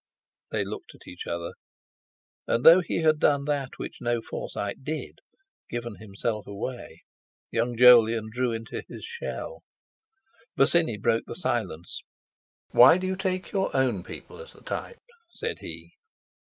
They looked at each other.—And, as though he had done that which no Forsyte did—given himself away, young Jolyon drew into his shell. Bosinney broke the silence. "Why do you take your own people as the type?" said he.